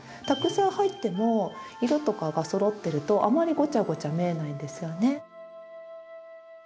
たくさん入っても色とかがそろってるとあまりごちゃごちゃ見えないんですよね。